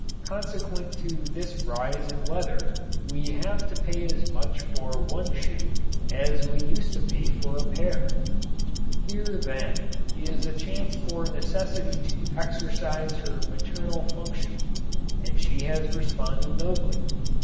Consequent to this rise in leather we have to pay as much for one shoe as we used to pay for a pair. Here, then, is a chance for Necessity to exercise her maternal function. And she has responded nobly.